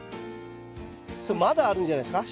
それまだあるんじゃないですか？